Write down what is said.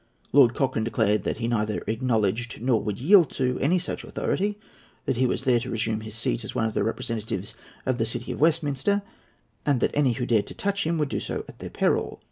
Lord Cochrane declared that he neither acknowledged, nor would yield to, any such authority, that he was there to resume his seat as one of the representatives of the City of Westminster, and that any who dared to touch him would do so at their peril.